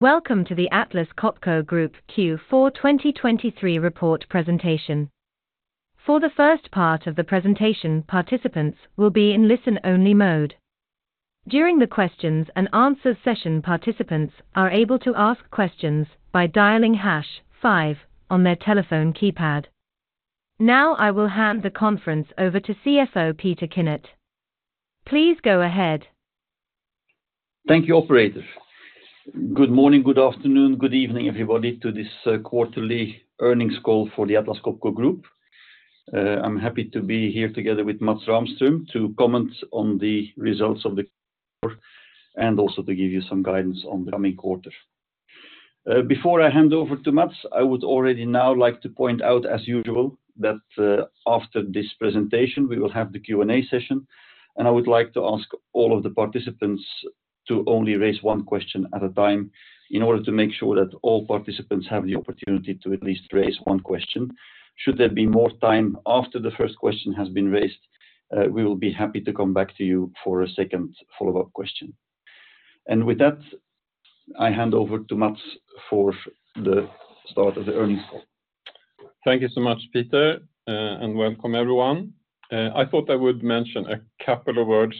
Welcome to the Atlas Copco Group Q4 2023 report presentation. For the first part of the presentation, participants will be in listen-only mode. During the questions and answers session, participants are able to ask questions by dialing hash five on their telephone keypad. Now, I will hand the conference over to CFO, Peter Kinnart. Please go ahead. Thank you, operator. Good morning, good afternoon, good evening, everybody, to this quarterly earnings call for the Atlas Copco Group. I'm happy to be here together with Mats Rahmström to comment on the results of the quarter, and also to give you some guidance on the coming quarter. Before I hand over to Mats, I would already now like to point out, as usual, that after this presentation, we will have the Q&A session, and I would like to ask all of the participants to only raise one question at a time in order to make sure that all participants have the opportunity to at least raise one question. Should there be more time after the first question has been raised, we will be happy to come back to you for a second follow-up question. With that, I hand over to Mats for the start of the earnings call. Thank you so much, Peter, and welcome, everyone. I thought I would mention a couple of words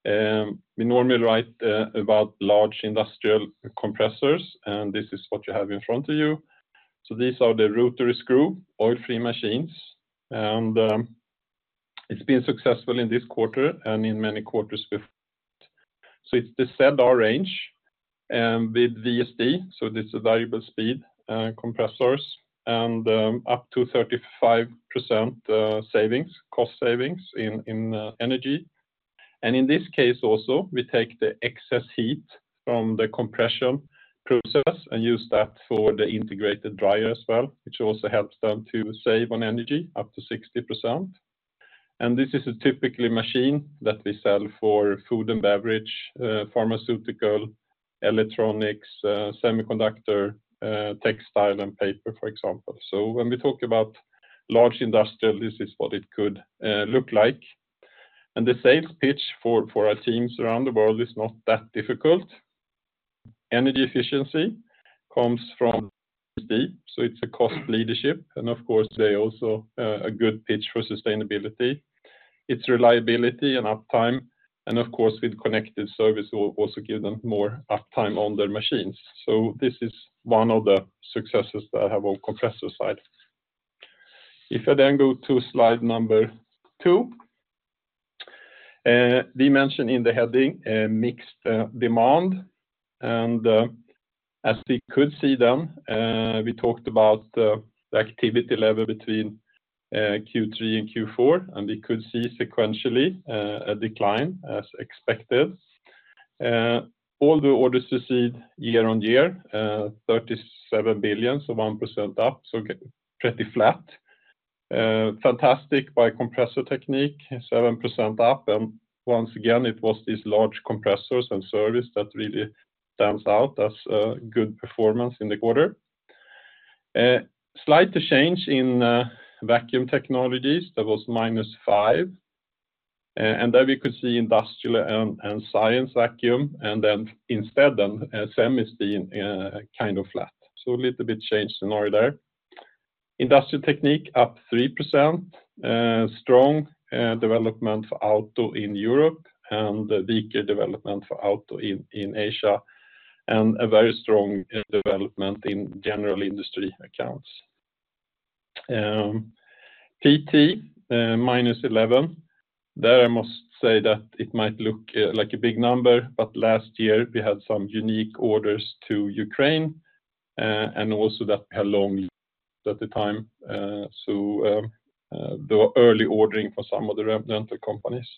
of the starting picture first. We normally write about large industrial compressors, and this is what you have in front of you. So these are the rotary screw oil-free machines, and it's been successful in this quarter and in many quarters before. So it's the DZS range with VSD, so this is a variable speed compressors, and up to 35% savings, cost savings in energy. And in this case also, we take the excess heat from the compression process and use that for the integrated dryer as well, which also helps them to save on energy up to 60%. This is a typical machine that we sell for food and beverage, pharmaceutical, electronics, Semiconductor, textile, and paper, for example. So when we talk about large industrial, this is what it could look like. And the sales pitch for our teams around the world is not that difficult. Energy efficiency comes from speed, so it's a cost leadership, and of course, they also a good pitch for sustainability. Its reliability and uptime, and of course, with connected service, will also give them more uptime on their machines. So this is one of the successes that I have on compressor side. If I then go to slide number two, we mentioned in the heading, mixed demand, and as we could see then, we talked about the activity level between Q3 and Q4, and we could see sequentially a decline as expected. All the orders received year-on-year, 37 billion, so 1% up, so pretty flat. Fantastic by Compressor Technique, 7% up, and once again, it was these large compressors and service that really stands out as a good performance in the quarter. Slight change in vacuum technologies, that was -5%, and there we could see industrial and science vacuum, and then instead, SEM is being kind of flat. So a little bit change scenario there. Industrial Technique, up 3%, strong development for auto in Europe and weaker development for auto in Asia, and a very strong development in the general industry accounts. PT, -11%. There, I must say that it might look like a big number, but last year we had some unique orders to Ukraine, and also that had long lead at the time, so the early ordering for some of the rental companies.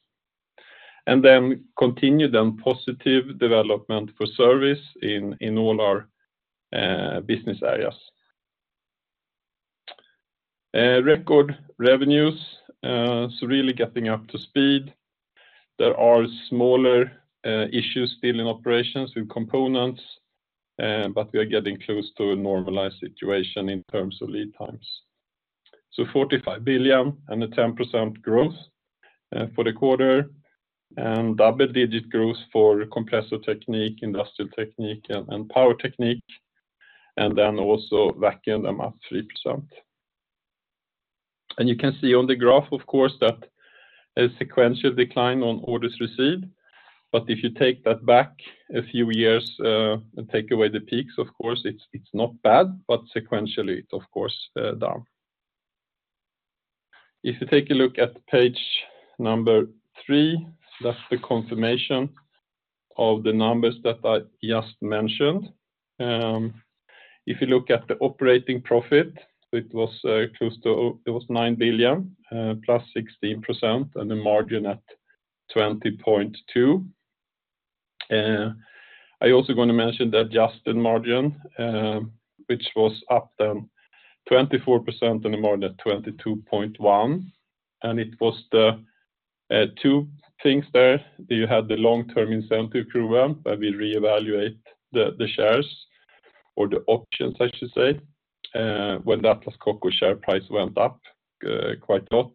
And then continued positive development for service in all our business areas. Record revenues, so really getting up to speed. There are smaller issues still in operations with components, but we are getting close to a normalized situation in terms of lead times. So 45 billion and 10% growth for the quarter, and double-digit growth for Compressor Technique, Industrial Technique, and, and Power Technique, and then also Vacuum are up 3%. And you can see on the graph, of course, that a sequential decline on orders received, but if you take that back a few years, and take away the peaks, of course, it's, it's not bad, but sequentially, it's of course, down. If you take a look at page three, that's the confirmation of the numbers that I just mentioned. If you look at the operating profit, it was close to. It was 9 billion, +6%, and the margin at 20.2%. I also gonna mention the adjusted margin, which was up then 24% and a margin at 22.1, and it was the two things there. You had the long-term incentive program, where we reevaluate the shares or the options, I should say, when the Atlas Copco share price went up quite a lot.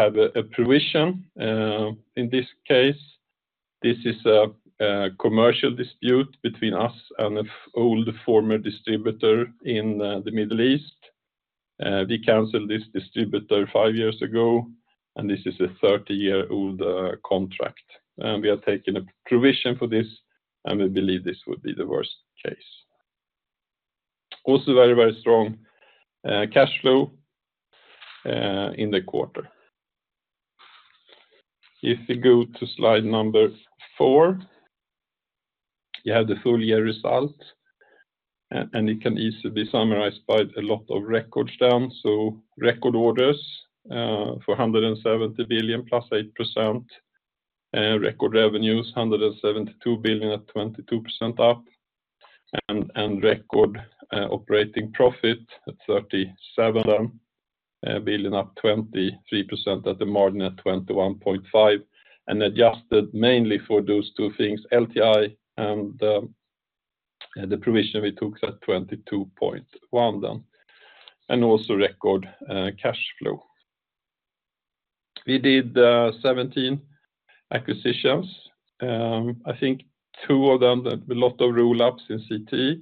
Have a provision, in this case, this is a commercial dispute between us and an old former distributor in the Middle East. We canceled this distributor five years ago, and this is a 30-year-old contract. And we have taken a provision for this, and we believe this would be the worst case. Also very, very strong cash flow in the quarter. If you go to slide four, you have the full-year result, and it can easily be summarized by a lot of records down. So record orders of 170 billion, +8%. Record revenues, 172 billion at 22% up, and record operating profit at 37 billion, up 23% at the margin at 21.5, and adjusted mainly for those two things, LTI and the provision we took at 22.1 then, and also record cash flow. We did 17 acquisitions. I think two of them, that's a lot of roll-ups in CT,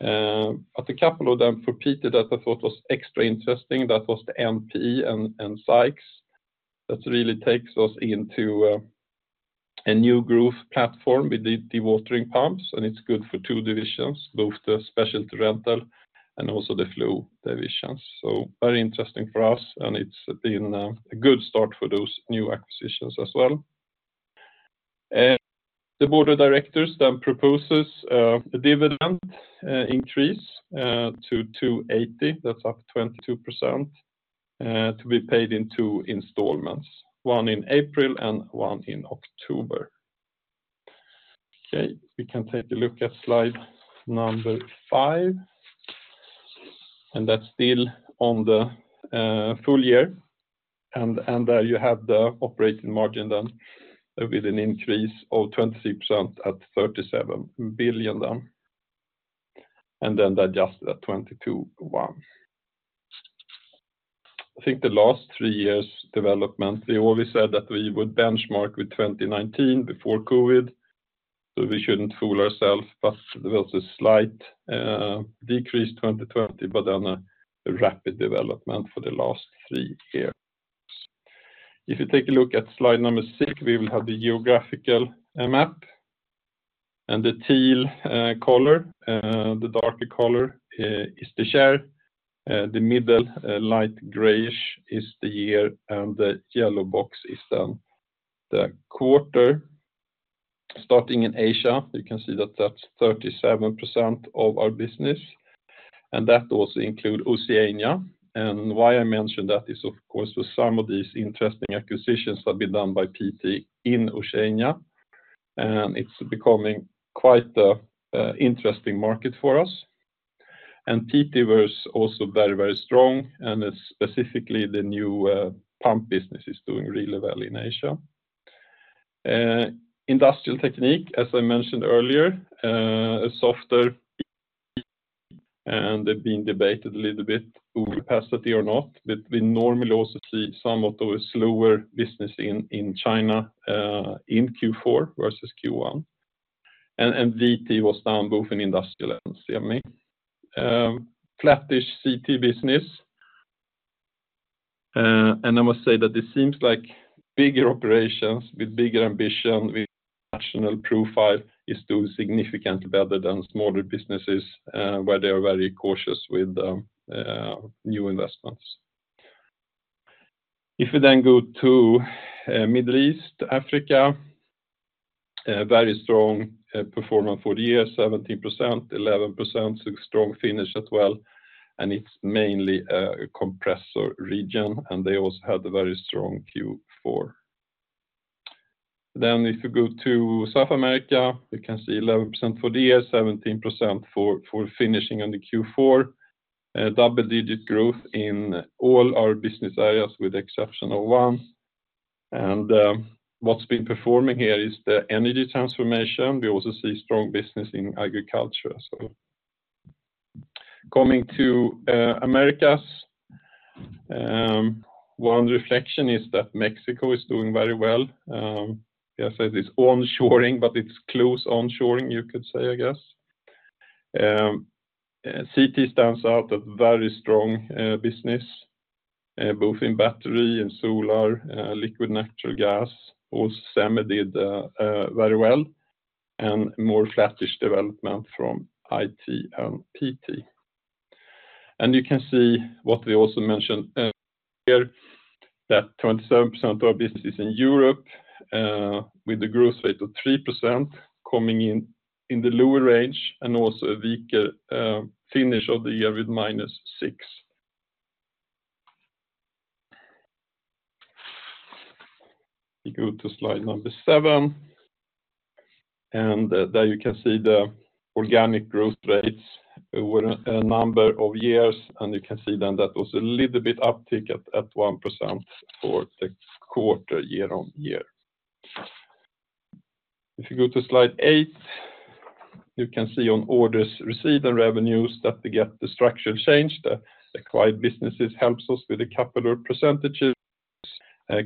but a couple of them for PT that I thought was extra interesting, that was the MP and Sykes. That really takes us into a new groove platform with the dewatering pumps, and it's good for two divisions, both the specialty rental and also the flow divisions. So very interesting for us, and it's been a good start for those new acquisitions as well. The board of directors then proposes a dividend increase to 2.80. That's up 22% to be paid in two installments, one in April and one in October. Okay, we can take a look at slide number five, and that's still on the full year, and you have the operating margin then with an increase of 23% at 37 billion then, and then the adjusted at 22.1. I think the last three years development, we always said that we would benchmark with 2019 before COVID, so we shouldn't fool ourselves, but there was a slight decrease 2020, but then a rapid development for the last three years. If you take a look at slide number six, we will have the geographical map, and the teal color, the darker color is the share, the middle light grayish is the year, and the yellow box is then the quarter. Starting in Asia, you can see that that's 37% of our business, and that also include Oceania. Why I mentioned that is, of course, with some of these interesting acquisitions have been done by PT in Oceania, and it's becoming quite interesting market for us. And PT was also very, very strong, and specifically, the new pump business is doing really well in Asia. Industrial Technique, as I mentioned earlier, a softer, and they've been debated a little bit over capacity or not, but we normally also see some of the slower business in China in Q4 versus Q1, and VT was down both in industrial and CME. Flattish CT business, and I must say that it seems like bigger operations with bigger ambition, with national profile, is doing significantly better than smaller businesses, where they are very cautious with new investments. If you then go to Middle East, Africa, a very strong performance for the year, 17%, 11%, strong finish as well, and it's mainly a compressor region, and they also had a very strong Q4. Then if you go to South America, you can see 11% for the year, 17% for finishing on the Q4, double-digit growth in all our business areas, with the exception of one. And, what's been performing here is the energy transformation. We also see strong business in agriculture, so... Coming to the Americas, one reflection is that Mexico is doing very well. As I said, it's onshoring, but it's close onshoring, you could say, I guess. CT stands out a very strong business, both in battery and solar, liquid natural gas. Also, Semi did very well, and more flattish development from IT and PT. You can see what we also mentioned here, that 27% of our business is in Europe, with a growth rate of 3% coming in in the lower range, and also a weaker finish of the year with -6%. We go to slide number seven, and there you can see the organic growth rates over a number of years, and you can see then that was a little bit uptick at 1% for the quarter year-on-year. If you go to slide eight, you can see on orders received and revenues that they get the structural change. The acquired businesses helps us with a couple of percentages.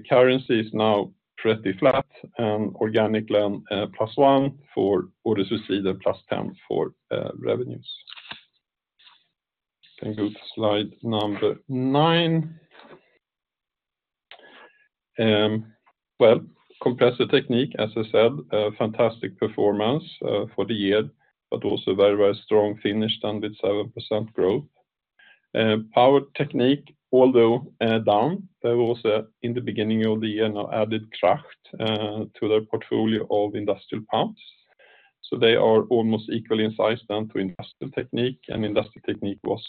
Currency is now pretty flat, and organic and +1 for orders received, and +10 for revenues. You can go to slide number nine. Well, Compressor Technique, as I said, a fantastic performance for the year, but also very, very strong finish than with 7% growth. Power Technique, although down, there was in the beginning of the year, now added Kracht to their portfolio of industrial pumps. So they are almost equally in size down to Industrial Technique, and Industrial Technique was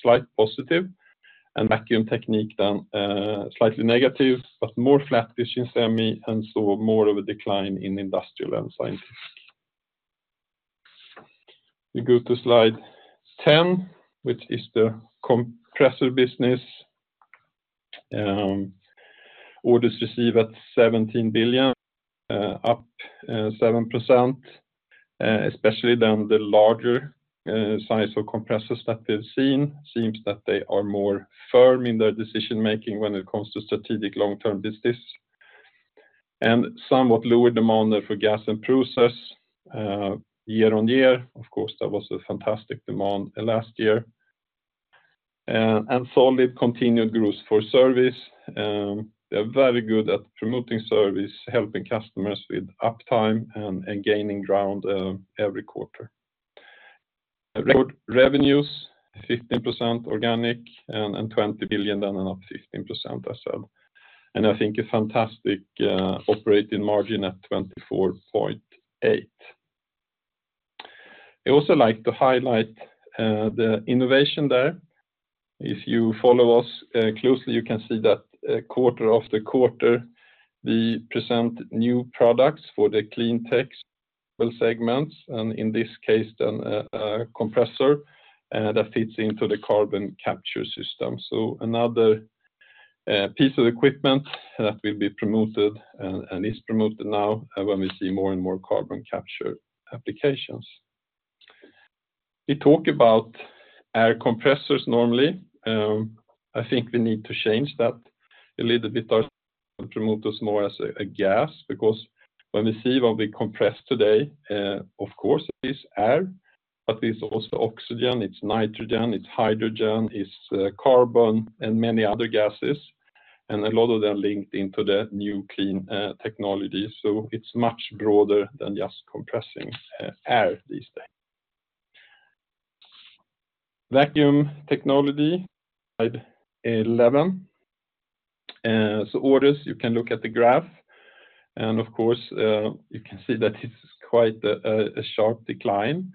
slightly positive, and Vacuum Technique, then, slightly negative, but more flat in Semi, and so more of a decline in industrial and scientific. We go to slide 10, which is the compressor business. Orders received at 17 billion, up 7%, especially down the larger size of compressors that we've seen. Seems that they are more firm in their decision-making when it comes to strategic long-term business, and somewhat lower demand for Gas and Process, year-on-year. Of course, that was a fantastic demand last year, and solid continued growth for service. They're very good at promoting service, helping customers with uptime, and gaining ground every quarter. Record revenues, 15% organic, and 20 billion, then, and up 15% as well, and I think a fantastic operating margin at 24.8%. I also like to highlight the innovation there. If you follow us closely, you can see that quarter after quarter, we present new products for the clean tech segments, and in this case, then, compressor that fits into the carbon capture system. So another piece of equipment that will be promoted and is promoted now, when we see more and more carbon capture applications. We talk about air compressors normally. I think we need to change that a little bit, or promote this more as a gas, because when we see what we compress today, of course, it is air, but it's also oxygen, it's nitrogen, it's hydrogen, it's carbon, and many other gases, and a lot of them linked into the new clean technology. So it's much broader than just compressing air these days. Vacuum technology, slide 11. So orders, you can look at the graph, and of course, you can see that it's quite a sharp decline.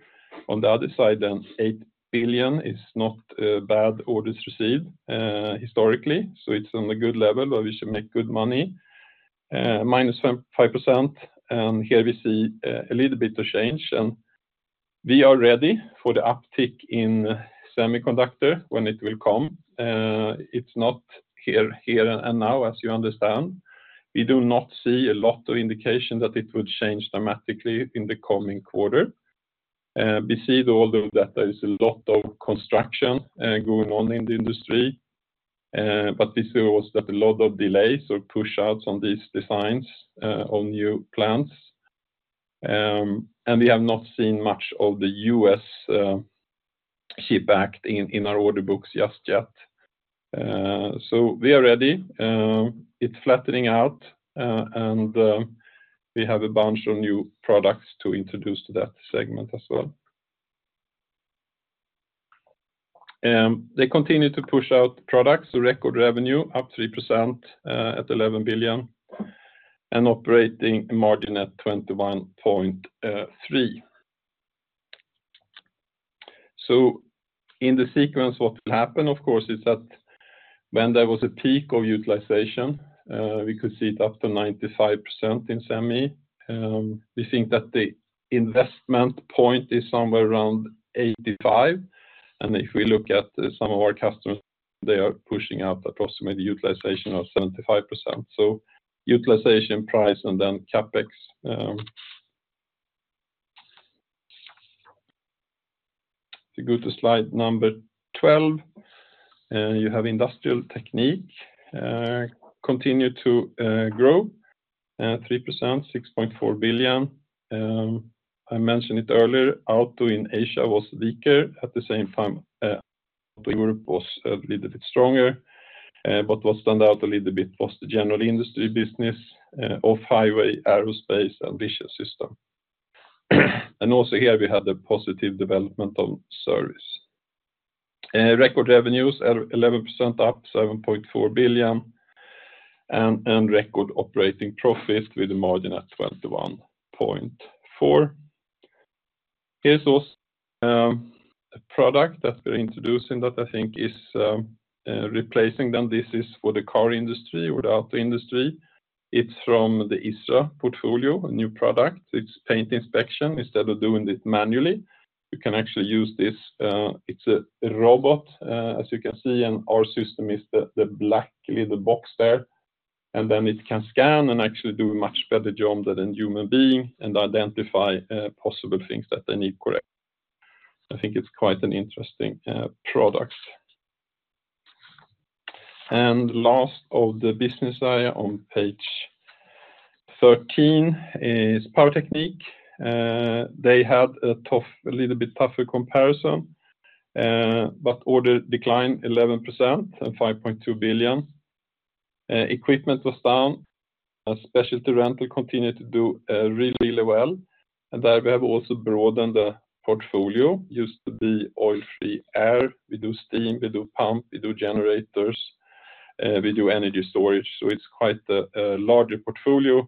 On the other side, 8 billion is not a bad order received, historically, so it's on a good level, but we should make good money, -5%, and here we see a little bit of change, and we are ready for the uptick in Semiconductor when it will come. It's not here and now, as you understand. We do not see a lot of indication that it would change dramatically in the coming quarter. We see, although, that there is a lot of construction going on in the industry, but we see also that a lot of delays or push-outs on these designs, on new plants, and we have not seen much of the U.S. CHIPS Act in our order books just yet. So we are ready, it's flattening out, and we have a bunch of new products to introduce to that segment as well. They continue to push out products, so record revenue, up 3%, at 11 billion, and operating margin at 21.3%. So in the sequence, what will happen, of course, is that when there was a peak of utilization, we could see it up to 95% in Semi. We think that the investment point is somewhere around 85, and if we look at some of our customers, they are pushing out approximately the utilization of 75%. So utilization, price, and then CapEx. If you go to slide number 12, you have Industrial Technique, continue to grow, 3%, 6.4 billion. I mentioned it earlier, auto in Asia was weaker. At the same time, Europe was a little bit stronger, but what stand out a little bit was the general industry business, of highway, aerospace, and vision system. And also here, we have the positive development of service. Record revenues, 11% up, 7.4 billion, and record operating profit with a margin at 21.4%. Here is also, a product that we're introducing that I think is, replacing, then this is for the car industry or the auto industry. It's from the ISRA portfolio, a new product. It's paint inspection. Instead of doing it manually, you can actually use this; it's a robot, as you can see, and our system is the black little box there, and then it can scan and actually do a much better job than a human being and identify possible things that they need correct. I think it's quite an interesting product. And last of the business area on page 13 is Power Technique. They had a tough, a little bit tougher comparison, but order declined 11% and 5.2 billion. Equipment was down, and specialty rental continued to do really, really well, and that we have also broadened the portfolio. Used to be oil-free air, we do steam, we do pump, we do generators, we do energy storage. So it's quite a larger portfolio,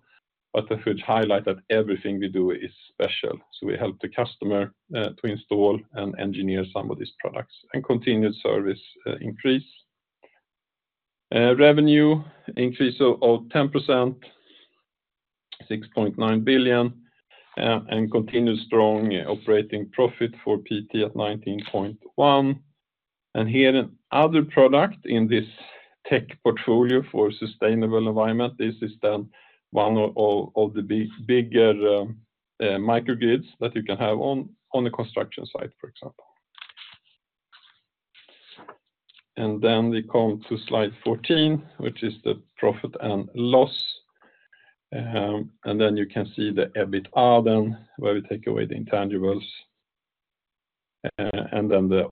but I should highlight that everything we do is special. So we help the customer to install and engineer some of these products, and continued service increase. Revenue increase of 10%, 6.9 billion, and continued strong operating profit for PT at 19.1. And here, another product in this tech portfolio for sustainable environment. This is then one of the bigger microgrids that you can have on the construction site, for example. And then we come to slide 14, which is the profit and loss. And then you can see the EBITA, where we take away the intangibles, and then the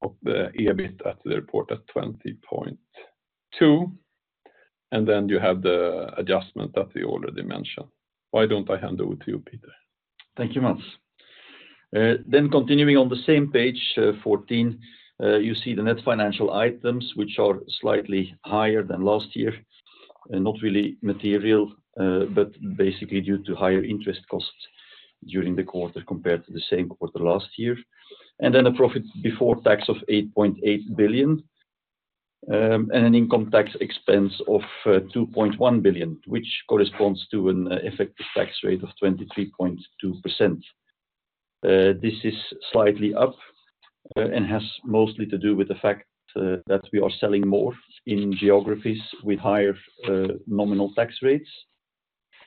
EBIT at the report at 20.2, and then you have the adjustment that we already mentioned. Why don't I hand over to you, Peter? Thank you, Mats. Continuing on the same page, 14, you see the net financial items, which are slightly higher than last year, and not really material, but basically due to higher interest costs during the quarter, compared to the same quarter last year. Then a profit before tax of 8.8 billion, and an income tax expense of 2.1 billion, which corresponds to an effective tax rate of 23.2%. This is slightly up, and has mostly to do with the fact that we are selling more in geographies with higher nominal tax rates.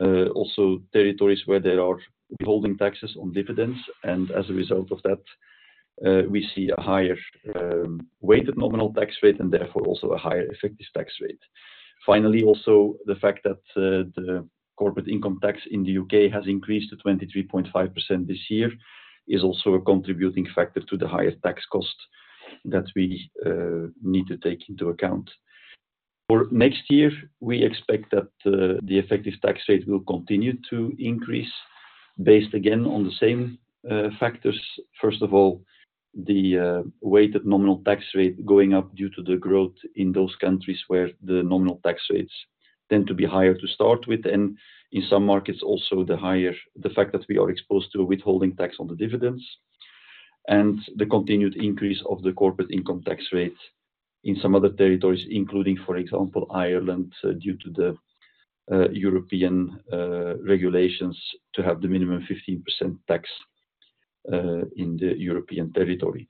Also territories where there are withholding taxes on dividends, and as a result of that, we see a higher weighted nominal tax rate and therefore, also a higher effective tax rate. Finally, also, the fact that the corporate income tax in the U.K. has increased to 23.5% this year, is also a contributing factor to the higher tax cost that we need to take into account. For next year, we expect that the effective tax rate will continue to increase, based again on the same factors. First of all, the weighted nominal tax rate going up due to the growth in those countries, where the nominal tax rates tend to be higher to start with, and in some markets, also the higher—the fact that we are exposed to a withholding tax on the dividends. And the continued increase of the corporate income tax rate in some other territories including, for example, Ireland, due to the European regulations, to have the minimum 15% tax in the European territory.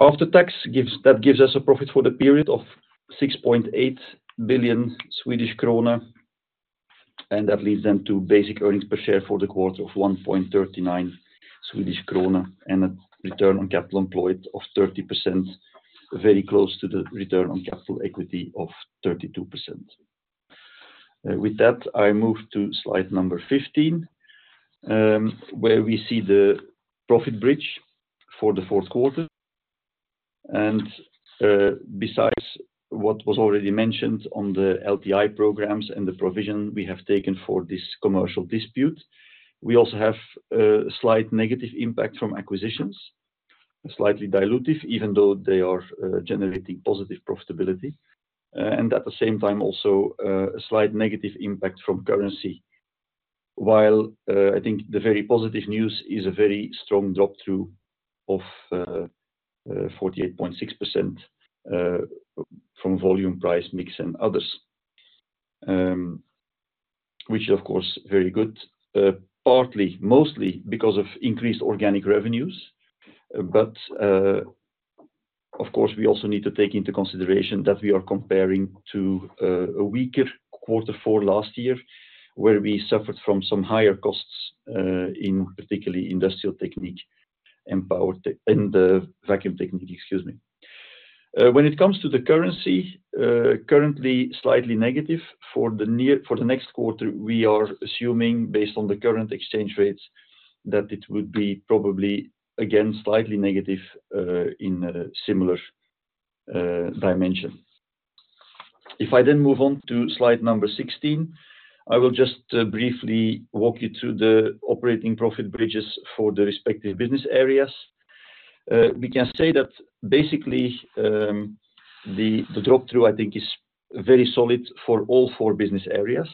After tax, that gives us a profit for the period of 6.8 billion Swedish krona, and that leads then to basic earnings per share for the quarter of 1.39 Swedish krona, and a return on capital employed of 30%, very close to the return on capital equity of 32%. With that, I move to slide number 15, where we see the profit bridge for the fourth quarter. And, besides what was already mentioned on the LTI programs and the provision we have taken for this commercial dispute, we also have slight negative impact from acquisitions, slightly dilutive, even though they are generating positive profitability. And at the same time, also, a slight negative impact from currency. While, I think the very positive news is a very strong drop-through of 48.6%, from volume, price, mix, and others. Which of course, very good, partly, mostly because of increased organic revenues, but, of course, we also need to take into consideration that we are comparing to a weaker quarter four last year, where we suffered from some higher costs, in particular Industrial Technique and Power Technique—in the Vacuum Technique, excuse me. When it comes to the currency, currently slightly negative. For the near—for the next quarter, we are assuming, based on the current exchange rates, that it would be probably, again, slightly negative, in a similar dimension. If I then move on to slide number 16, I will just briefly walk you through the operating profit bridges for the respective business areas. We can say that basically the drop-through, I think, is very solid for all four business areas,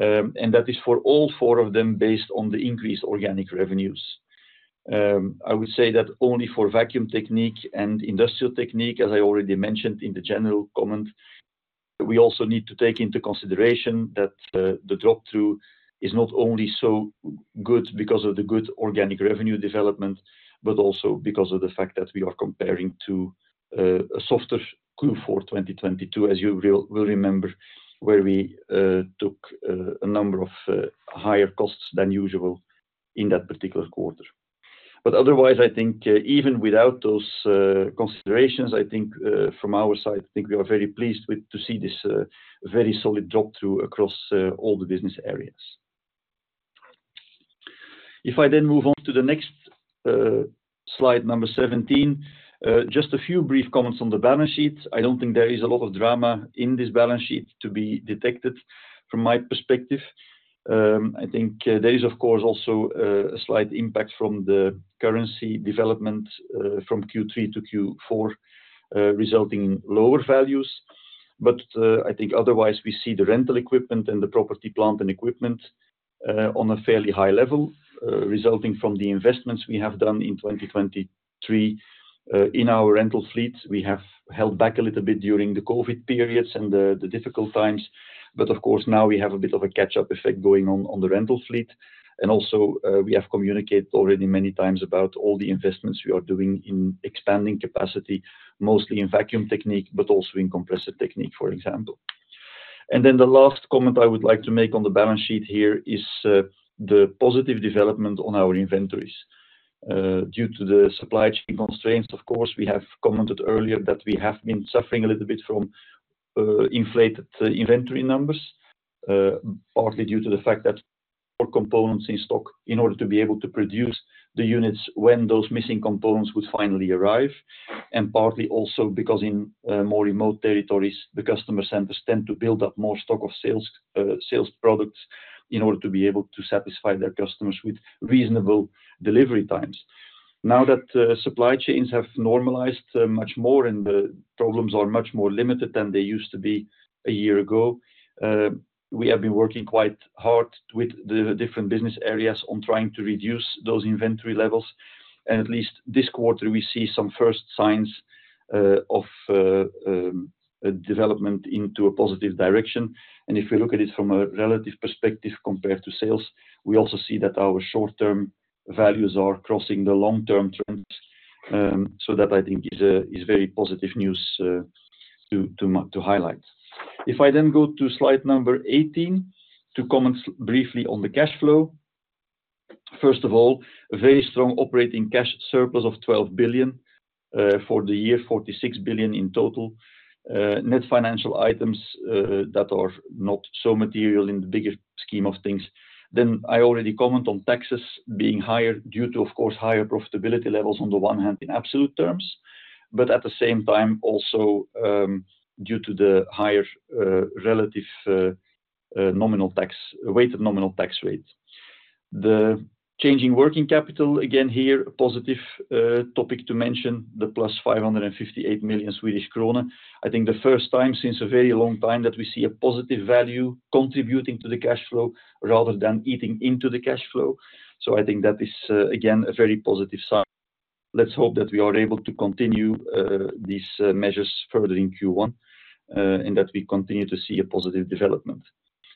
and that is for all four of them based on the increased organic revenues. I would say that only for Vacuum Technique and Industrial Technique, as I already mentioned in the general comment, we also need to take into consideration that the drop-through is not only so good because of the good organic revenue development, but also because of the fact that we are comparing to a softer Q4 2022, as you will remember, where we took a number of higher costs than usual in that particular quarter. But otherwise, I think even without those considerations, I think from our side, I think we are very pleased to see this very solid drop-through across all the business areas. If I then move on to the next slide number, 17, just a few brief comments on the balance sheet. I don't think there is a lot of drama in this balance sheet to be detected from my perspective. I think there is, of course, also a slight impact from the currency development from Q3 to Q4 resulting in lower values. But I think otherwise, we see the rental equipment and the property, plant, and equipment on a fairly high level resulting from the investments we have done in 2023. In our rental fleet, we have held back a little bit during the COVID periods and the difficult times, but of course, now we have a bit of a catch-up effect going on the rental fleet. And also, we have communicated already many times about all the investments we are doing in expanding capacity, mostly in Vacuum Technique, but also in Compressor Technique, for example. And then the last comment I would like to make on the balance sheet here is the positive development on our inventories. Due to the supply chain constraints, of course, we have commented earlier that we have been suffering a little bit from inflated inventory numbers, partly due to the fact that all components in stock in order to be able to produce the units when those missing components would finally arrive, and partly also because in more remote territories, the customer centers tend to build up more stock of sales sales products in order to be able to satisfy their customers with reasonable delivery times. Now that supply chains have normalized much more and the problems are much more limited than they used to be a year ago, we have been working quite hard with the different business areas on trying to reduce those inventory levels, and at least this quarter, we see some first signs of development into a positive direction. If we look at it from a relative perspective, compared to sales, we also see that our short-term values are crossing the long-term trends. So that, I think, is very positive news to highlight. If I then go to slide number 18, to comment briefly on the cash flow. First of all, a very strong operating cash surplus of 12 billion for the year, 46 billion in total. Net financial items that are not so material in the bigger scheme of things. Then I already comment on taxes being higher due to, of course, higher profitability levels on the one hand in absolute terms, but at the same time, also, due to the higher relative nominal tax, weighted nominal tax rate. The changing working capital, again here, a positive topic to mention, the +558 million Swedish krona. I think the first time since a very long time that we see a positive value contributing to the cash flow rather than eating into the cash flow. So I think that is, again, a very positive sign. Let's hope that we are able to continue these measures further in Q1, and that we continue to see a positive development.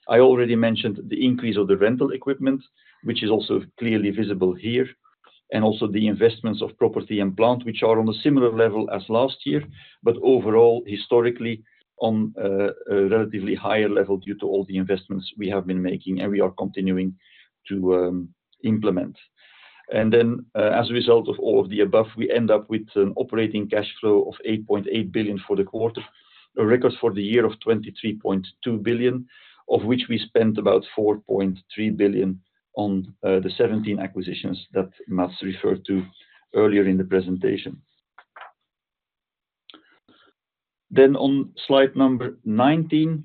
I already mentioned the increase of the rental equipment, which is also clearly visible here, and also the investments of property and plant, which are on a similar level as last year, but overall, historically, on a relatively higher level due to all the investments we have been making and we are continuing to implement. And then, as a result of all of the above, we end up with an operating cash flow of 8.8 billion for the quarter, a record for the year of 23.2 billion, of which we spent about 4.3 billion on the 17 acquisitions that Mats referred to earlier in the presentation. Then on slide number 19,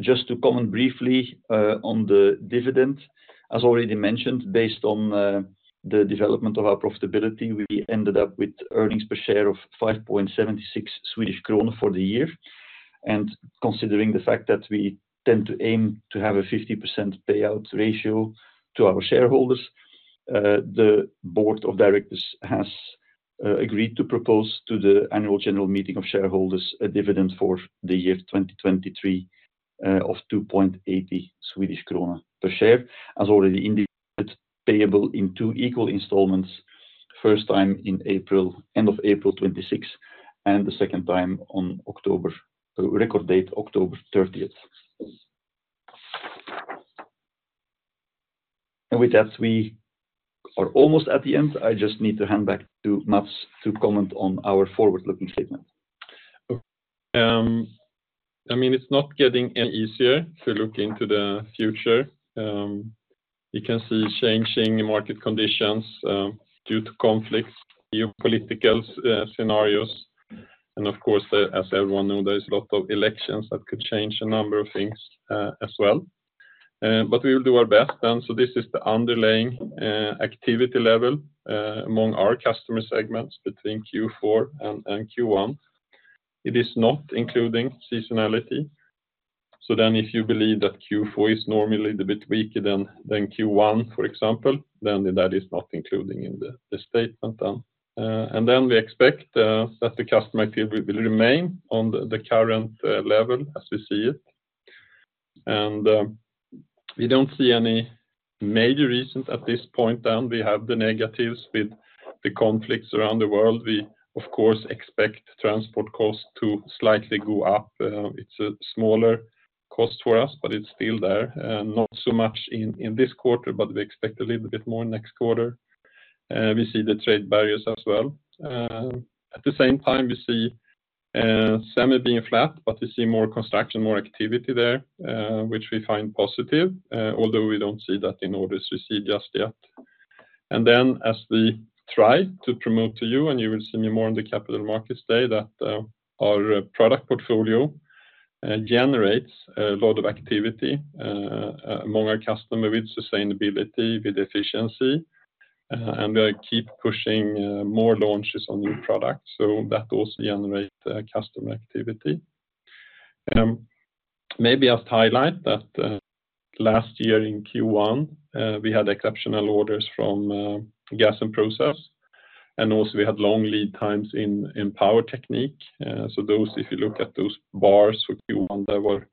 just to comment briefly on the dividend. As already mentioned, based on the development of our profitability, we ended up with earnings per share of 5.76 Swedish krona for the year. Considering the fact that we tend to aim to have a 50% payout ratio to our shareholders, the board of directors has agreed to propose to the annual general meeting of shareholders a dividend for the year of 2023 of 2.80 Swedish krona per share, as already indicated, payable in two equal installments, first time in April, end of April 2026, and the second time on October, record date, October 30th. With that, we are almost at the end. I just need to hand back to Mats to comment on our forward-looking statement. I mean, it's not getting any easier to look into the future. You can see changing market conditions due to conflicts, geopolitical scenarios, and of course, as everyone know, there is a lot of elections that could change a number of things, as well. But we will do our best then. So this is the underlying activity level among our customer segments between Q4 and Q1. It is not including seasonality. So then if you believe that Q4 is normally a bit weaker than Q1, for example, then that is not including in the statement. And then we expect that the customer activity will remain on the current level as we see it. And we don't see any major reasons at this point, and we have the negatives with the conflicts around the world. We, of course, expect transport costs to slightly go up. It's a smaller cost for us, but it's still there, and not so much in this quarter, but we expect a little bit more next quarter. We see the trade barriers as well. At the same time, we see Semi being flat, but we see more construction, more activity there, which we find positive, although we don't see that in orders we see just yet. And then as we try to promote to you, and you will see me more on the Capital Markets Day, that our product portfolio generates a lot of activity among our customer with sustainability, with efficiency, and we keep pushing more launches on new products, so that also generate customer activity. Maybe I'll highlight that last year in Q1 we had exceptional orders from gas and process, and also we had long lead times in Power Technique. So those, if you look at those bars for Q1, they were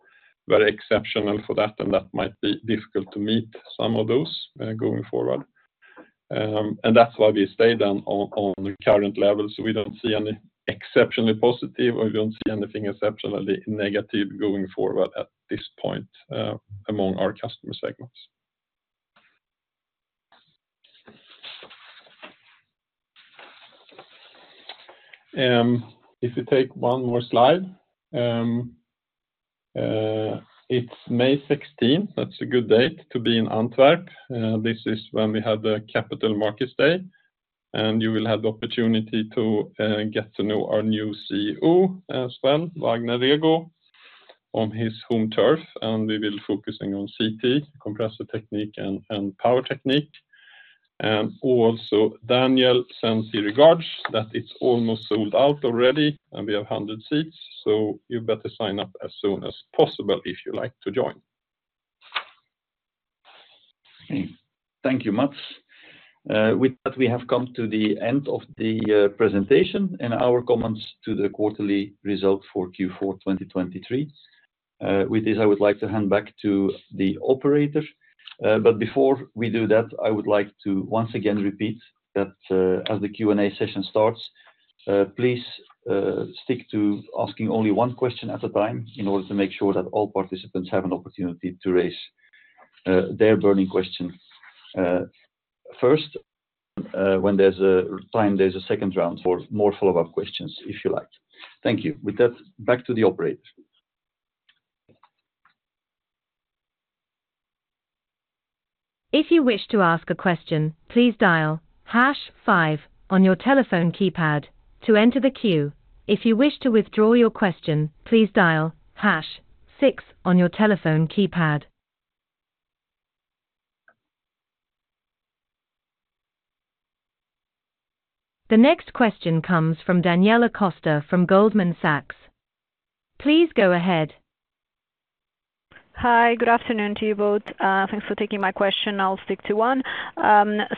very exceptional for that, and that might be difficult to meet some of those going forward. That's why we stay down on the current level, so we don't see any exceptionally positive, or we don't see anything exceptionally negative going forward at this point among our customer segments. If you take one more slide, it's May 16th, that's a good date to be in Antwerp. This is when we have the Capital Markets Day, and you will have the opportunity to get to know our new CEO as well, Wagner Rego, on his home turf, and we will focusing on CT, Compressor Technique and Power Technique. And also, Daniel sends his regards, that it's almost sold out already, and we have 100 seats, so you better sign up as soon as possible if you'd like to join. Thank you, Mats. With that, we have come to the end of the presentation and our comments to the quarterly result for Q4 2023. With this, I would like to hand back to the operator. But before we do that, I would like to once again repeat that, as the Q&A session starts, please, stick to asking only one question at a time in order to make sure that all participants have an opportunity to raise their burning questions. First, when there's a time, there's a second round for more follow-up questions, if you like. Thank you. With that, back to the operator. If you wish to ask a question, please dial hash five on your telephone keypad to enter the queue. If you wish to withdraw your question, please dial hash six on your telephone keypad. The next question comes from Daniela Costa from Goldman Sachs. Please go ahead. Hi, good afternoon to you both. Thanks for taking my question. I'll stick to one.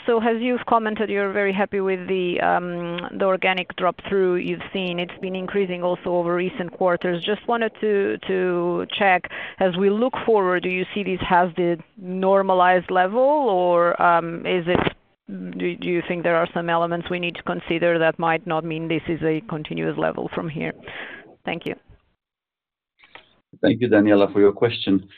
So as you've commented, you're very happy with the organic drop-through you've seen. It's been increasing also over recent quarters. Just wanted to check, as we look forward, do you see this as the normalized level, or is it, do you think there are some elements we need to consider that might not mean this is a continuous level from here? Thank you. Thank you, Daniela, for your question.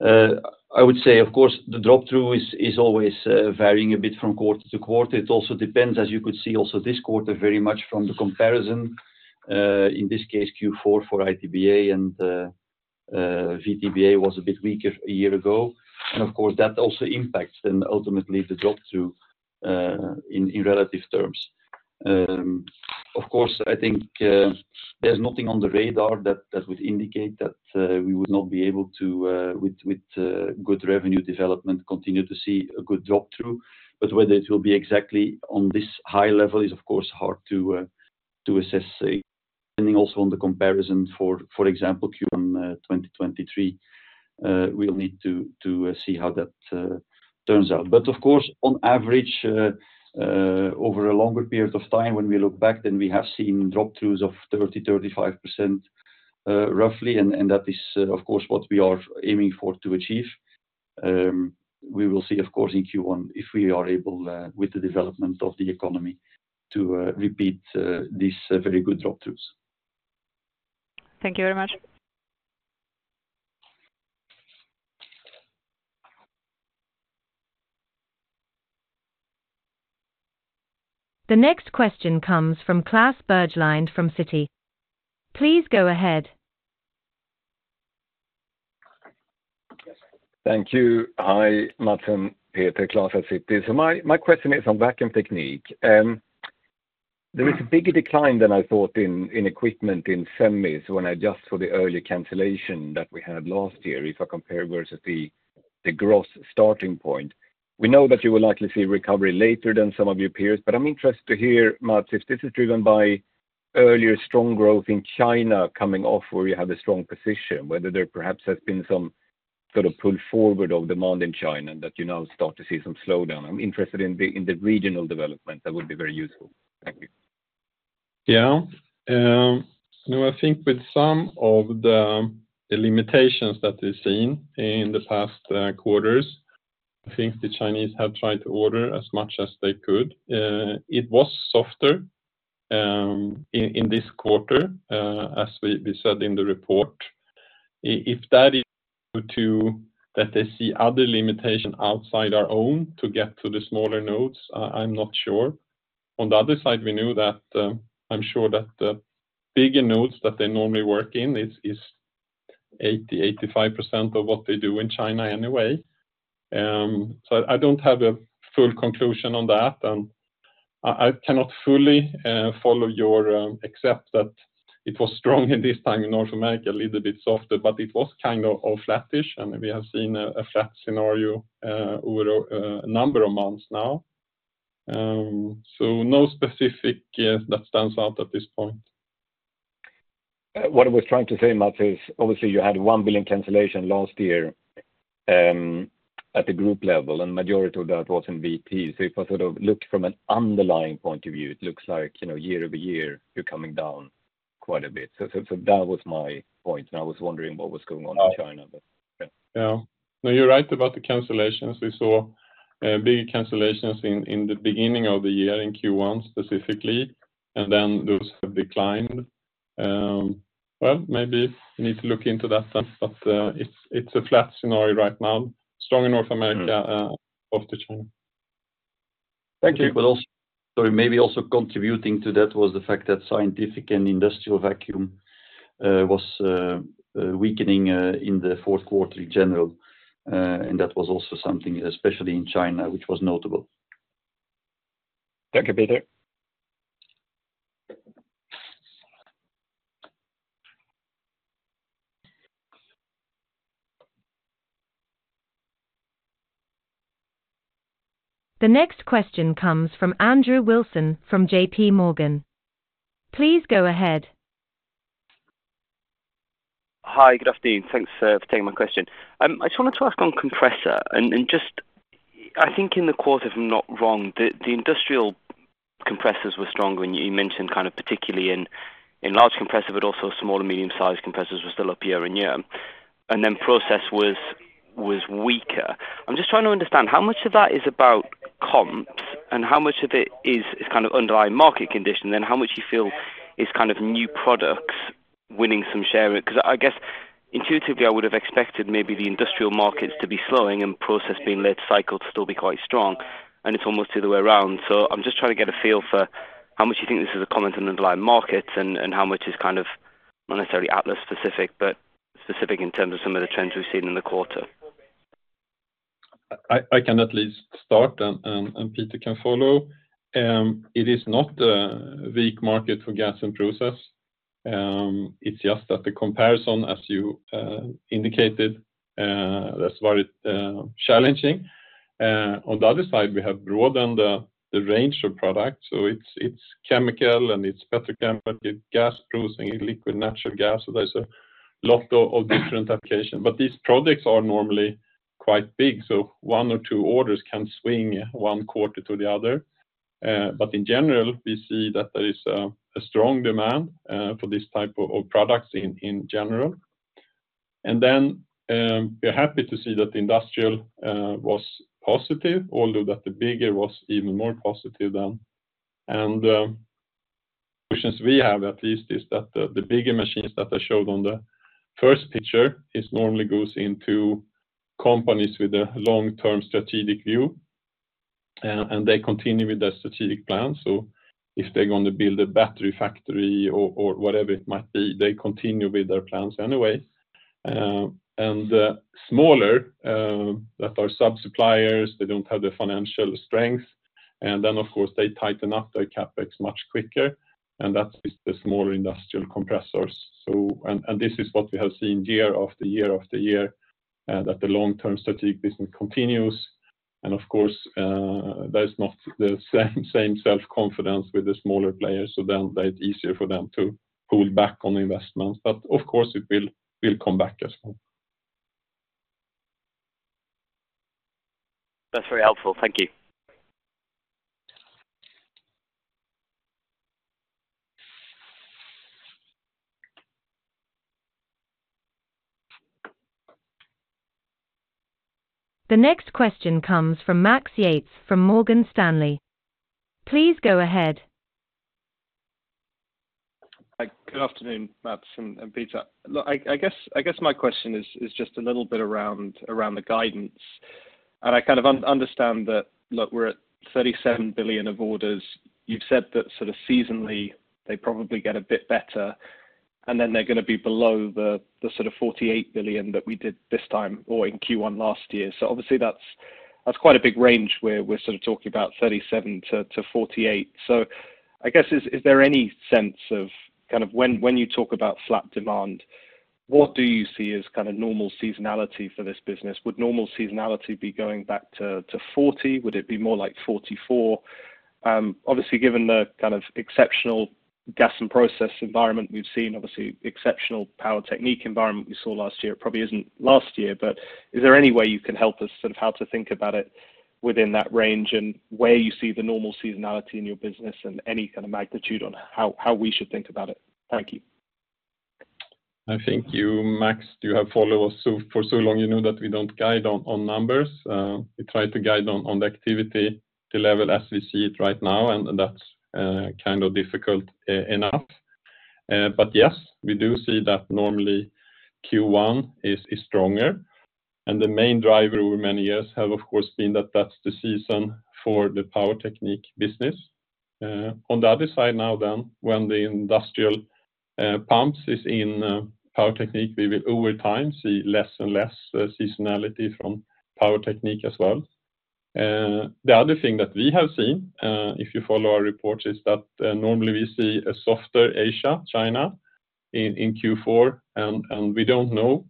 I would say, of course, the drop-through is always varying a bit from quarter to quarter. It also depends, as you could see also this quarter, very much from the comparison in this case, Q4 for ITBA and the VTBA was a bit weaker a year ago. And of course, that also impacts then ultimately the drop-through in relative terms. Of course, I think, there's nothing on the radar that would indicate that we would not be able to, with good revenue development, continue to see a good drop-through. But whether it will be exactly on this high level is, of course, hard to assess, depending also on the comparison, for example, Q1 2023. We'll need to see how that turns out. But of course, on average, over a longer period of time, when we look back, then we have seen drop-throughs of 30%-35%, roughly, and that is, of course, what we are aiming for to achieve. We will see, of course, in Q1, if we are able, with the development of the economy, to repeat these very good drop-throughs. Thank you very much. The next question comes from Klas Bergelind from Citi. Please go ahead. Yes. Thank you. Hi, Mats and Peter, Klas Bergelind at Citi. So my question is on Vacuum Technique. There is a bigger decline than I thought in equipment in Semis when I adjust for the earlier cancellation that we had last year, if I compare versus the gross starting point. We know that you will likely see recovery later than some of your peers, but I'm interested to hear, Mats, if this is driven by earlier strong growth in China coming off, where you have a strong position, whether there perhaps has been some sort of pull forward of demand in China that you now start to see some slowdown. I'm interested in the regional development. That would be very useful. Thank you. Yeah. No, I think with some of the limitations that we've seen in the past quarters. I think the Chinese have tried to order as much as they could. It was softer in this quarter, as we said in the report. If that is, that they see other limitations outside our own to get to the smaller nodes, I'm not sure. On the other side, we knew that, I'm sure that the bigger nodes that they normally work in is 80%-85% of what they do in China anyway. So I don't have a full conclusion on that, and I cannot fully follow your... Except that it was strong in this time in North America, a little bit softer, but it was kind of flattish, and we have seen a flat scenario over a number of months now. So no specific, yeah, that stands out at this point. What I was trying to say, Mats, is obviously you had 1 billion cancellation last year at the group level, and majority of that was in BP. So if I sort of looked from an underlying point of view, it looks like, you know, year-over-year, you're coming down quite a bit. So that was my point, and I was wondering what was going on in China, but yeah. Yeah. No, you're right about the cancellations. We saw big cancellations in the beginning of the year, in Q1 specifically, and then those have declined. Well, maybe you need to look into that sense, but it's a flat scenario right now. Strong in North America- Mm. Off to China. Thank you. But also, sorry, maybe also contributing to that was the fact that scientific and industrial vacuum was weakening in the fourth quarter in general. And that was also something, especially in China, which was notable. Thank you, Peter. The next question comes from Andrew Wilson from JPMorgan. Please go ahead. Hi, good afternoon. Thanks for taking my question. I just wanted to ask on compressor and just—I think in the quarter, if I'm not wrong, the industrial compressors were stronger, and you mentioned kind of particularly in large compressors, but also small and medium-sized compressors were still up year-on-year, and then the process was weaker. I'm just trying to understand how much of that is about comps, and how much of it is kind of underlying market condition, and how much you feel is kind of new products winning some share? 'Cause I guess intuitively, I would have expected maybe the industrial markets to be slowing and the process being led cycle to still be quite strong, and it's almost the other way around. So I'm just trying to get a feel for how much you think this is a comment on underlying markets and how much is kind of not necessarily Atlas specific, but specific in terms of some of the trends we've seen in the quarter. I can at least start and Peter can follow. It is not a weak market for gas and process. It's just that the comparison, as you indicated, that's very challenging. On the other side, we have broadened the range of products. So it's chemical, and it's petrochemical, it's gas processing, liquid natural gas. So there's a lot of different applications. But these products are normally quite big, so one or two orders can swing one quarter to the other. But in general, we see that there is a strong demand for this type of products in general. And then, we're happy to see that industrial was positive, although the bigger was even more positive than... The questions we have at least is that the bigger machines that I showed on the first picture, it normally goes into companies with a long-term strategic view, and they continue with their strategic plan. So if they're going to build a battery factory or whatever it might be, they continue with their plans anyway. And the smaller that are sub-suppliers, they don't have the financial strength, and then, of course, they tighten up their CapEx much quicker, and that is the smaller industrial compressors. So, and this is what we have seen year after year after year, that the long-term strategic business continues. And of course, there's not the same self-confidence with the smaller players, so then it's easier for them to pull back on investments. But of course, it will come back as well. That's very helpful. Thank you. The next question comes from Max Yates, from Morgan Stanley. Please go ahead. Hi, good afternoon, Mats and Peter. Look, I guess my question is just a little bit around the guidance, and I kind of understand that, look, we're at 37 billion of orders. You've said that sort of seasonally, they probably get a bit better, and then they're gonna be below the sort of 48 billion that we did this time or in Q1 last year. So obviously, that's quite a big range where we're sort of talking about 37 billion-48 billion. So I guess, is there any sense of kind of when you talk about flat demand, what do you see as kind of normal seasonality for this business? Would normal seasonality be going back to 40? Would it be more like 44? Obviously, given the kind of exceptional gas and process environment we've seen, obviously, exceptional Power Technique environment we saw last year, probably isn't last year, but is there any way you can help us sort of how to think about it within that range? And where you see the normal seasonality in your business, and any kind of magnitude on how we should think about it? Thank you.... I think you, Max, you have followed us so, for so long, you know that we don't guide on, on numbers. We try to guide on, on the activity, the level as we see it right now, and that's kind of difficult enough. But yes, we do see that normally Q1 is stronger, and the main driver over many years have, of course, been that that's the season for the Power Technique business. On the other side now, then, when the industrial pumps is in Power Technique, we will, over time, see less and less seasonality from Power Technique as well. The other thing that we have seen, if you follow our reports, is that, normally we see a softer Asia, China, in Q4, and we don't know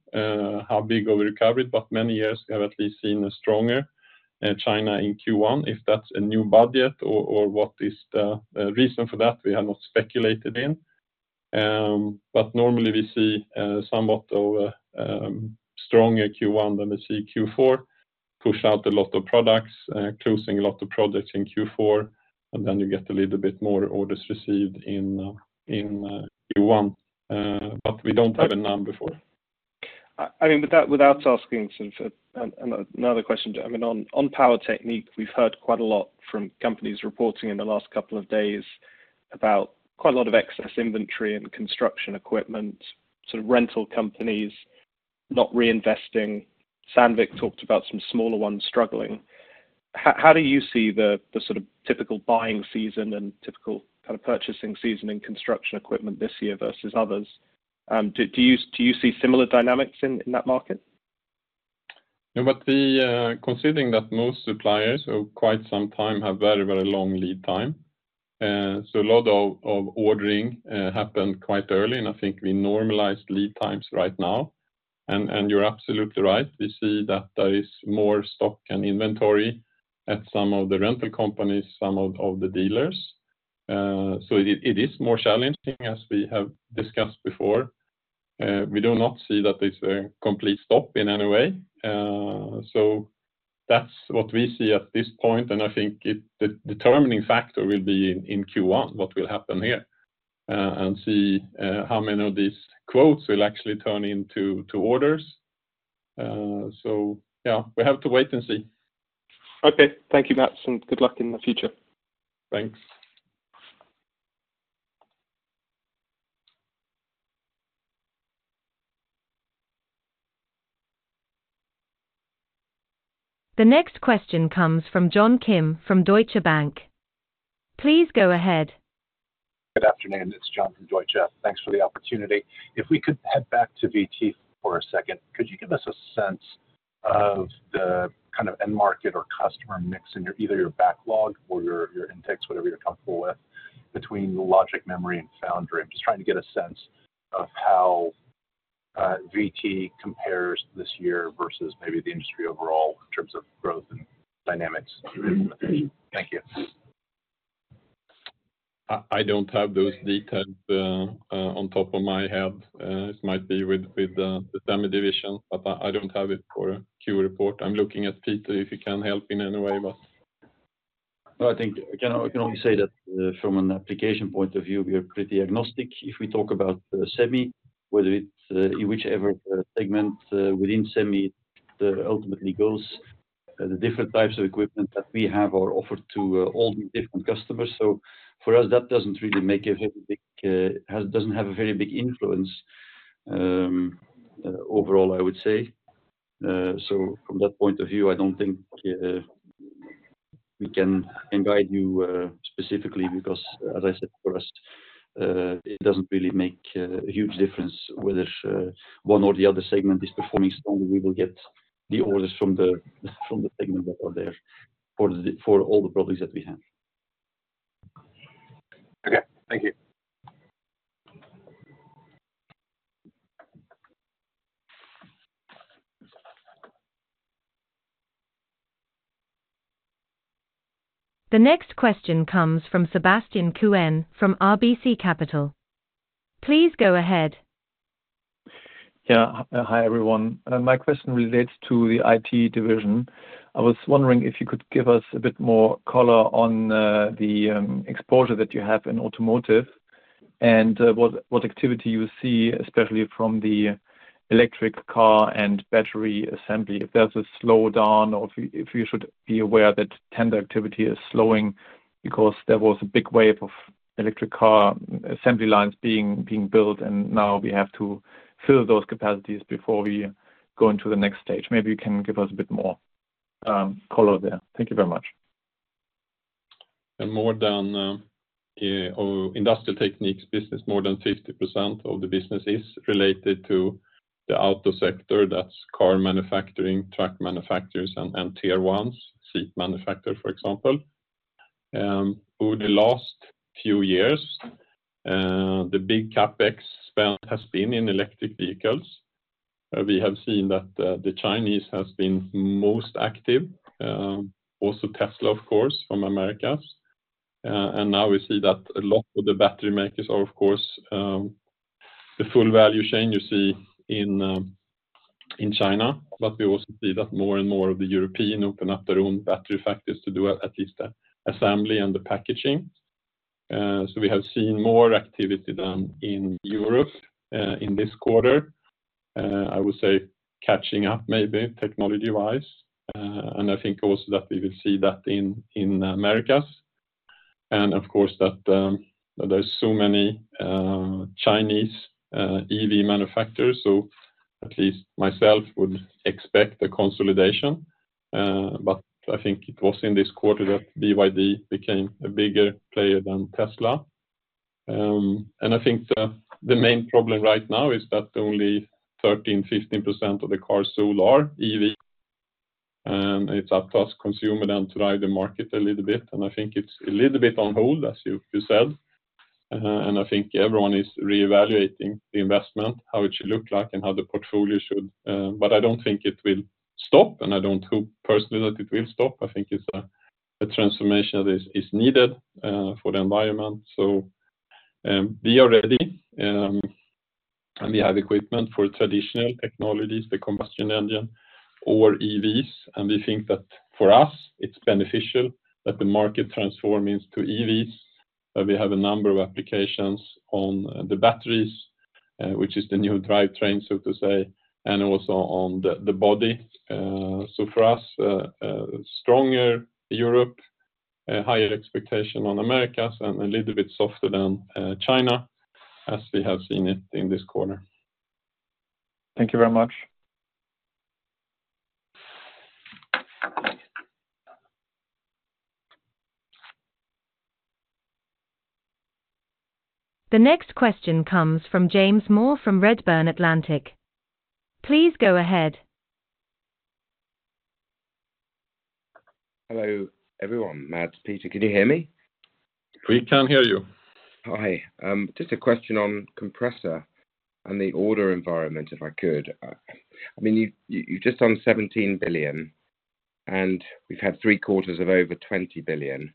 how big of a recovery, but many years we have at least seen a stronger China in Q1. If that's a new budget or what is the reason for that, we have not speculated in. But normally we see somewhat of a stronger Q1 than we see Q4, push out a lot of products, closing a lot of products in Q4, and then you get a little bit more orders received in Q1. But we don't have a number for it. I mean, without asking since and another question, I mean, on Power Technique, we've heard quite a lot from companies reporting in the last couple of days about quite a lot of excess inventory and construction equipment, sort of rental companies not reinvesting. Sandvik talked about some smaller ones struggling. How do you see the sort of typical buying season and typical kind of purchasing season in construction equipment this year versus others? Do you see similar dynamics in that market? Yeah, but considering that most suppliers for quite some time have very, very long lead time, so a lot of ordering happened quite early, and I think we normalized lead times right now. And you're absolutely right. We see that there is more stock and inventory at some of the rental companies, some of the dealers. So it is more challenging as we have discussed before. We do not see that it's a complete stop in any way, so that's what we see at this point, and I think it, the determining factor will be in Q1, what will happen here, and see how many of these quotes will actually turn into orders. So yeah, we have to wait and see. Okay. Thank you, Mats, and good luck in the future. Thanks. The next question comes from John Kim from Deutsche Bank. Please go ahead. Good afternoon, it's John from Deutsche. Thanks for the opportunity. If we could head back to VT for a second, could you give us a sense of the kind of end market or customer mix in your, either your backlog or your, your intakes, whatever you're comfortable with, between logic, memory and foundry? I'm just trying to get a sense of how VT compares this year versus maybe the industry overall in terms of growth and dynamics. Thank you. I don't have those details on top of my head. It might be with the Semi division, but I don't have it for a Q report. I'm looking at Peter, if you can help in any way, but- Well, I think I can, I can only say that, from an application point of view, we are pretty agnostic. If we talk about Semi, whether it's in whichever segment within Semi ultimately goes, the different types of equipment that we have are offered to all the different customers. So for us, that doesn't really make a very big, doesn't have a very big influence overall, I would say. So from that point of view, I don't think we can guide you specifically, because as I said, for us, it doesn't really make a huge difference whether one or the other segment is performing strong. We will get the orders from the segment that are there for all the products that we have. Okay. Thank you. The next question comes from Sebastian Kuenne, from RBC Capital. Please go ahead. Yeah. Hi, everyone. My question relates to the IT division. I was wondering if you could give us a bit more color on the exposure that you have in automotive, and what activity you see, especially from the electric car and battery assembly, if there's a slowdown or if you should be aware that tender activity is slowing because there was a big wave of electric car assembly lines being built, and now we have to fill those capacities before we go into the next stage. Maybe you can give us a bit more color there. Thank you very much. More than 50% of the Industrial Technique business is related to the auto sector. That's car manufacturing, truck manufacturers, and tier ones, seat manufacturer, for example. Over the last few years, the big CapEx spend has been in electric vehicles. We have seen that the Chinese has been most active, also, of course, from Americas. And now we see that a lot of the battery makers are, of course, the full value chain you see in China, but we also see that more and more of the European open up their own battery factories to do at least the assembly and the packaging. So we have seen more activity than in Europe in this quarter. I would say catching up, maybe, technology-wise. And I think also that we will see that in Americas, and of course, that there's so many Chinese EV manufacturers, so at least myself would expect a consolidation. But I think it was in this quarter that BYD became a bigger player than Tesla. And I think the main problem right now is that only 13%-15% of the cars sold are EV, and it's up to U.S. consumer then to drive the market a little bit. And I think it's a little bit on hold, as you said. And I think everyone is reevaluating the investment, how it should look like, and how the portfolio should. But I don't think it will stop, and I don't hope personally that it will stop. I think it's a transformation that is needed for the environment. So, we are ready, and we have equipment for traditional technologies, the combustion engine or EVs, and we think that for us, it's beneficial that the market transforms to EVs. We have a number of applications on the batteries, which is the new drivetrain, so to say, and also on the body. So for us, stronger Europe, a higher expectation on Americas, and a little bit softer than China, as we have seen it in this quarter. Thank you very much. The next question comes from James Moore from Redburn Atlantic. Please go ahead. Hello, everyone. Mats, Peter, can you hear me? We can't hear you. Hi. Just a question on compressor and the order environment, if I could. I mean, you, you're just on 17 billion, and we've had three quarters of over 20 billion,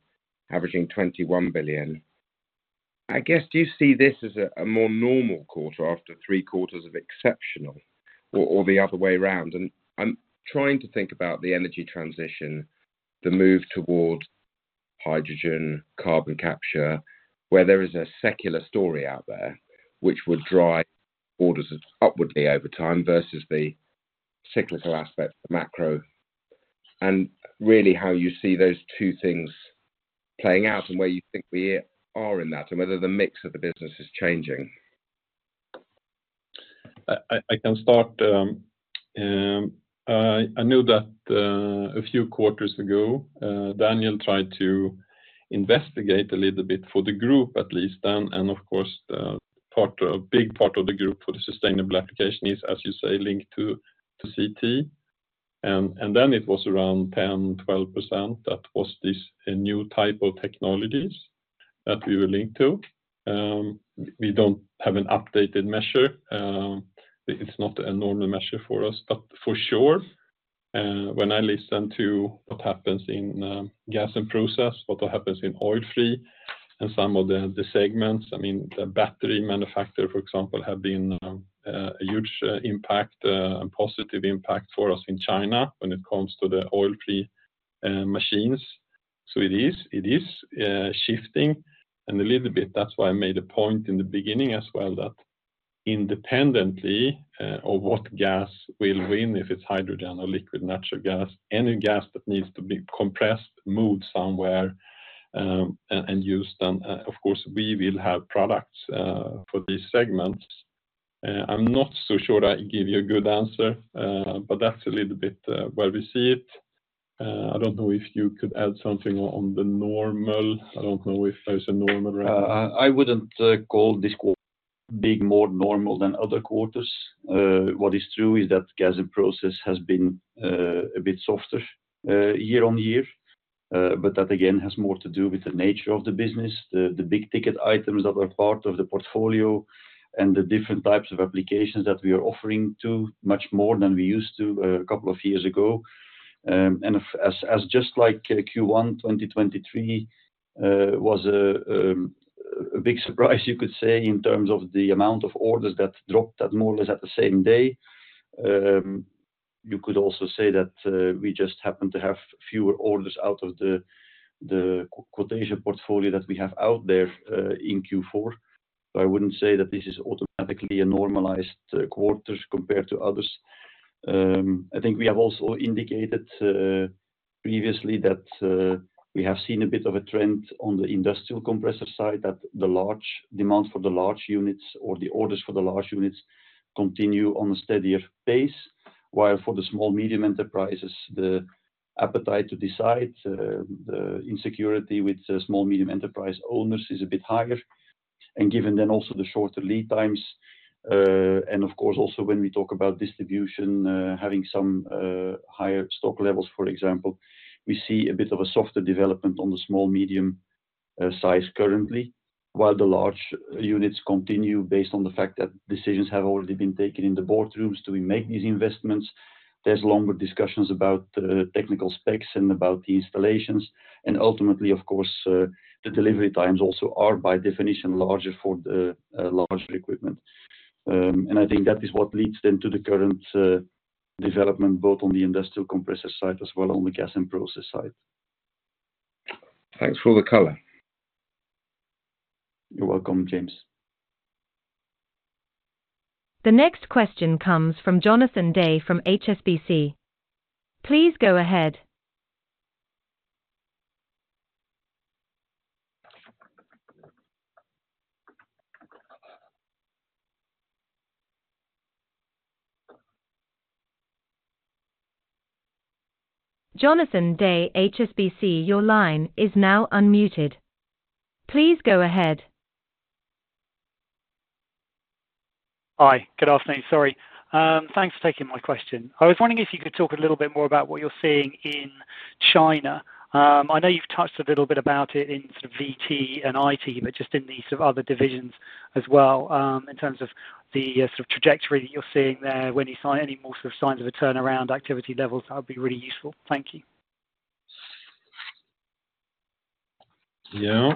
averaging 21 billion. I guess, do you see this as a more normal quarter after three quarters of exceptional or the other way around? And I'm trying to think about the energy transition, the move toward hydrogen, carbon capture, where there is a secular story out there which would drive orders upwardly over time versus the cyclical aspect, the macro, and really how you see those two things playing out, and where you think we are in that, and whether the mix of the business is changing. I can start. I know that a few quarters ago, Daniel tried to investigate a little bit for the group at least then, and of course, the part, a big part of the group for the sustainable application is, as you say, linked to CT. And then it was around 10-12%, that was a new type of technologies that we were linked to. We don't have an updated measure. It's not a normal measure for us, but for sure, when I listen to what happens in gas and process, what happens in oil-free and some of the segments, I mean, the battery manufacturer, for example, have been a huge impact, positive impact for us in China when it comes to the oil-free machines. So it is, it is, shifting and a little bit. That's why I made a point in the beginning as well, that independently of what gas will win, if it's hydrogen or liquid natural gas, any gas that needs to be compressed, moved somewhere, and, and used, then of course, we will have products for these segments. I'm not so sure I give you a good answer, but that's a little bit where we see it. I don't know if you could add something on the normal. I don't know if there's a normal run. I wouldn't call this quarter being more normal than other quarters. What is true is that gas and process has been a bit softer year-over-year. But that, again, has more to do with the nature of the business, the big-ticket items that are part of the portfolio and the different types of applications that we are offering to much more than we used to a couple of years ago. And as just like Q1 2023 was a big surprise, you could say, in terms of the amount of orders that dropped at more or less at the same day. You could also say that we just happened to have fewer orders out of the quotation portfolio that we have out there in Q4. But I wouldn't say that this is automatically a normalized quarter compared to others. I think we have also indicated previously that we have seen a bit of a trend on the industrial compressor side, that the large demand for the large units or the orders for the large units continue on a steadier pace. While for the small medium enterprises, the appetite to decide, the insecurity with small medium enterprise owners is a bit higher. And given then also the shorter lead times and of course, also when we talk about distribution, having some higher stock levels, for example, we see a bit of a softer development on the small, medium size currently, while the large units continue based on the fact that decisions have already been taken in the boardrooms to make these investments. There's longer discussions about the technical specs and about the installations, and ultimately, of course, the delivery times also are, by definition, larger for the larger equipment. I think that is what leads then to the current development, both on the industrial compressor side as well on the gas and process side. Thanks for all the color. You're welcome, James. The next question comes from Jonathan Day from HSBC. Please go ahead. Jonathan Day, HSBC, your line is now unmuted. Please go ahead. Hi. Good afternoon. Sorry. Thanks for taking my question. I was wondering if you could talk a little bit more about what you're seeing in China. I know you've touched a little bit about it in sort of VT and IT, but just in the sort of other divisions as well, in terms of the sort of trajectory that you're seeing there, when you see any more sort of signs of a turnaround activity levels, that would be really useful. Thank you. Yeah.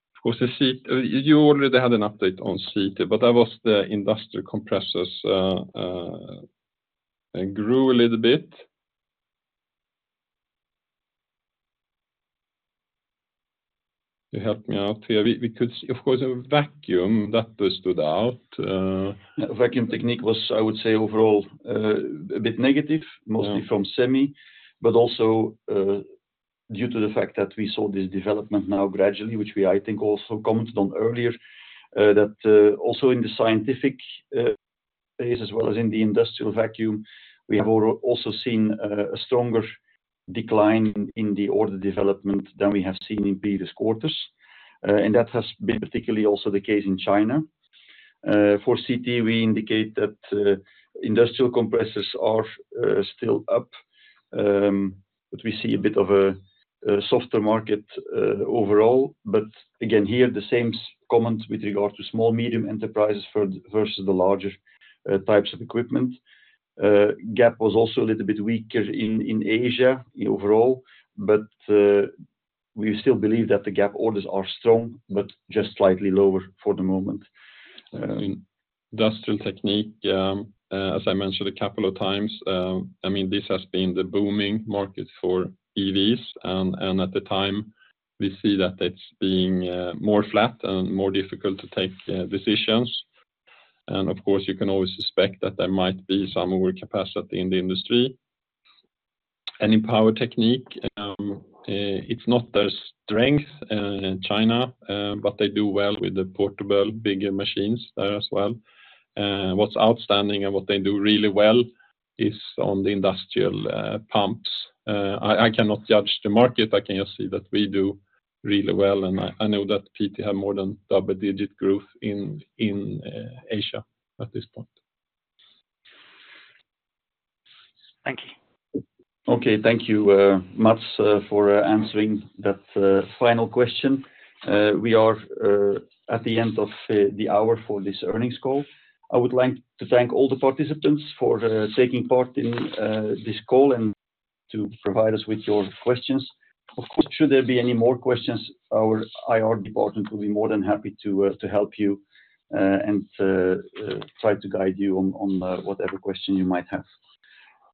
Of course, the CT—you already had an update on CT, but that was the industrial compressors, and grew a little bit. You help me out here because, of course, a vacuum that stood out. Vacuum Technique was, I would say, overall, a bit negative, mostly from Semi, but also, due to the fact that we saw this development now gradually, which we, I think, also commented on earlier, that, also in the scientific vacuum, as well as in the industrial vacuum, we have also seen a stronger decline in the order development than we have seen in previous quarters. And that has been particularly also the case in China. For CT, we indicate that industrial compressors are still up, but we see a bit of a softer market overall. But again, here, the same comment with regard to small medium enterprises versus the larger types of equipment. Gap was also a little bit weaker in Asia overall, but we still believe that the gap orders are strong, but just slightly lower for the moment. Industrial Technique, as I mentioned a couple of times, I mean, this has been the booming market for EVs, and at the time, we see that it's being more flat and more difficult to take decisions. Of course, you can always suspect that there might be some overcapacity in the industry. In Power Technique, it's not their strength in China, but they do well with the portable bigger machines there as well. What's outstanding and what they do really well is on the industrial pumps. I cannot judge the market, I can just see that we do really well, and I know that PT have more than double-digit growth in Asia at this point. Thank you. Okay. Thank you, Mats, for answering that final question. We are at the end of the hour for this earnings call. I would like to thank all the participants for taking part in this call and to provide us with your questions. Of course, should there be any more questions, our IR department will be more than happy to help you and try to guide you on whatever question you might have.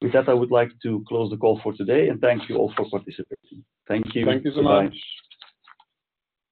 With that, I would like to close the call for today, and thank you all for participating. Thank you. Thank you so much. Bye-bye.